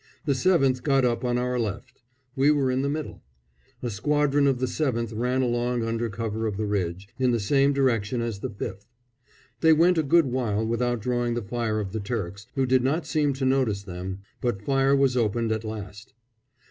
The 7th got up on our left. We were in the middle. A squadron of the 7th ran along under cover of the ridge, in the same direction as the 5th. They went a good while without drawing the fire of the Turks, who did not seem to notice them; but fire was opened at last.